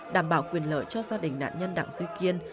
đảm bảo quyền lợi cho gia đình nạn nhân đặng duy kiên